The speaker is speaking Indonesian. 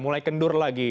mulai kendur lagi